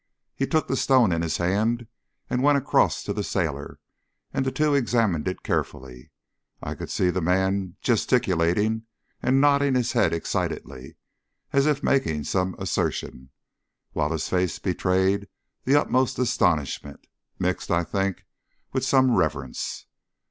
He took the stone in his hand and went across to the sailor, and the two examined it carefully. I could see the man gesticulating and nodding his head excitedly as if making some assertion, while his face betrayed the utmost astonishment, mixed I think with some reverence.